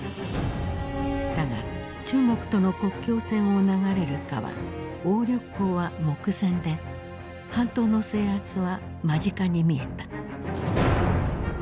だが中国との国境線を流れる川鴨緑江は目前で半島の制圧は間近に見えた。